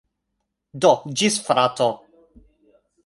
Do, ĝis frato!